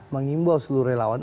mengimbau seluruh relawan